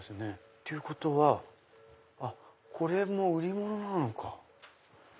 ってことはこれも売り物なのか。